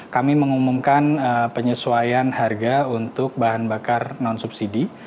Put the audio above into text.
kami mengumumkan penyesuaian harga untuk bahan bakar non subsidi